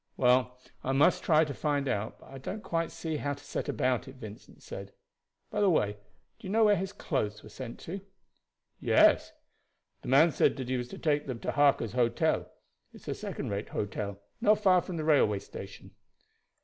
"Well, I must try to find out, but I don't quite see how to set about it," Vincent said. "By the way, do you know where his clothes were sent to?" "Yes; the man said that he was to take them to Harker's Hotel. It's a second rate hotel not far from the railway station."